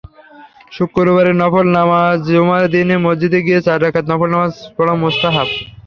শুক্রবারের নফল নামাজজুমার দিনে মসজিদে গিয়ে চার রাকাত নফল নামাজ পড়া মুস্তাহাব।